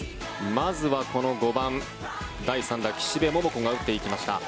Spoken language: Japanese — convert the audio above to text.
まずはこの５番第３打、岸部桃子が打っていきました。